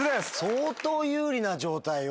相当有利な状態よ。